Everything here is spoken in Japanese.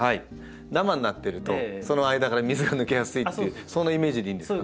ダマになってるとその間から水が抜けやすいっていうそんなイメージでいいんですか？